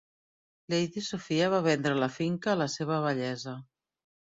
Lady Sophia va vendre la finca a la seva vellesa.